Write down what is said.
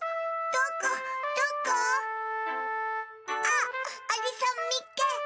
どこ？あっアリさんみっけ！